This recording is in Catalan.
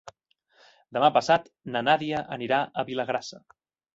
Demà passat na Nàdia anirà a Vilagrassa.